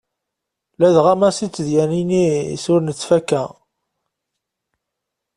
Ladɣa Massi d tedyanin-is ur nettfakka.